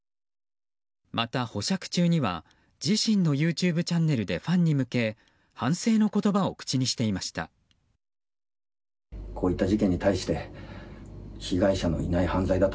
また保釈中には自身のＹｏｕＴｕｂｅチャンネルでファンに向け反省の言葉を口にしていました。